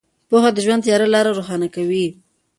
پوهه د ژوند تیاره لارې روښانه کوي.